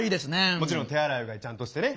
もちろん手洗い・うがいちゃんとしてね。